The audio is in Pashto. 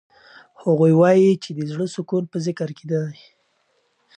هغوی وایي چې د زړه سکون په ذکر کې دی.